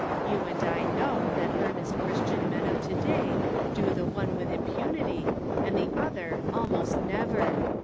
You and I know that earnest Christian men of to day do the one with impunity, and the other almost never.